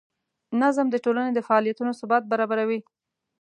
نظم د ټولنې د فعالیتونو ثبات برابروي.